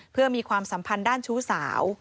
เพื่อมีความสัมพันธ์ด้านชู้สาว